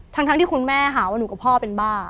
ทั้งที่คุณแม่หาว่าหนูกับพ่อเป็นบ้า